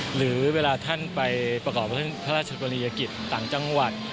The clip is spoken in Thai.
หรือเวลาท่านไปประกอบพระราชกรณียกิจต่างจังหวัด